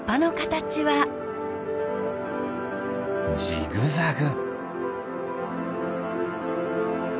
ジグザグ。